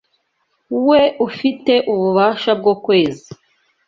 we ufite ububasha bwo kweza